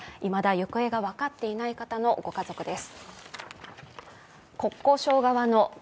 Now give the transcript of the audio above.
行方が分かっていない方のご家族です。